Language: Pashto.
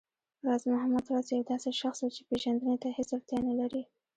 راز محمد راز يو داسې شخص و چې پېژندنې ته هېڅ اړتيا نه لري